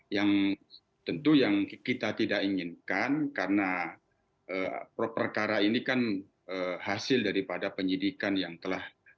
yang tentu yang kita tidak inginkan karena perkara ini kan hasil daripada penyidikan yang telah